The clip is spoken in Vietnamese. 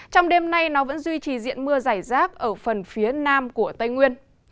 trong đêm nay nó vẫn duy trì diện mưa giải rác ở phần phía nam của tây nguyên